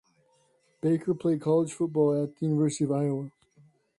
Baker played college football at the University of Iowa.